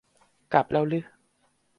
กลับแล้วรึ